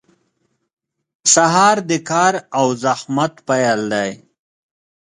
• سهار د کار او زحمت پیل دی.